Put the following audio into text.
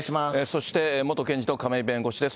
そして元検事の亀井弁護士です。